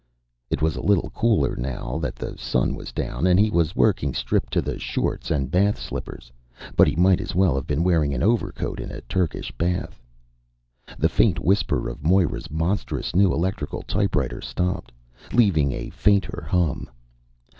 It was a little cooler now that the Sun was down, and he was working stripped to shorts and bath slippers; but he might as well have been wearing an overcoat in a Turkish bath. The faint whisper of Moira's monstrous new electrical typewriter stopped, leaving a fainter hum.